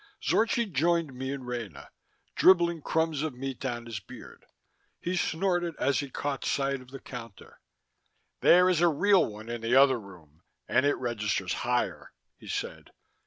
Zorchi joined me and Rena, dribbling crumbs of meat down his beard. He snorted as he caught sight of the counter. "There is a real one in the other room, and it registers higher," he said.